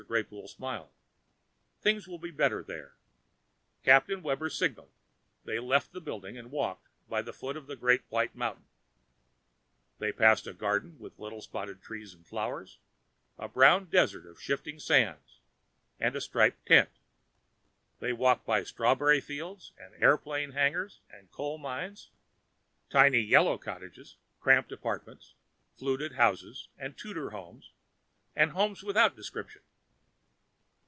Greypoole smiled. "Things will be better there." Captain Webber signaled. They left the building and walked by the foot of a white mountain. They passed a garden with little spotted trees and flowers, a brown desert of shifting sands and a striped tent; they walked by strawberry fields and airplane hangars and coal mines; tiny yellow cottages, cramped apartments, fluted houses and Tudor houses and houses without description....